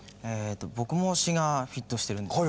僕も詞がフィットしてるんですよね。